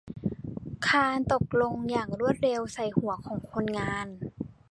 คานตกลงอย่างรวดเร็วใส่หัวของคนงาน